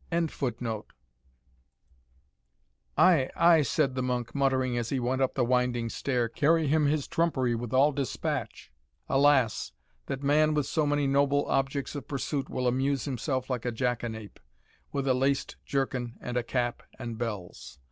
] "Ay, ay," said the monk, muttering as he went up the winding stair, "carry him his trumpery with all despatch. Alas! that man, with so many noble objects of pursuit, will amuse himself like a jackanape, with a laced jerkin and a cap and bells!